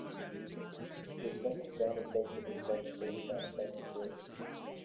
The second gun is located above the first gun above the ridge.